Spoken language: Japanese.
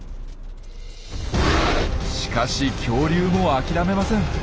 しかし恐竜もあきらめません。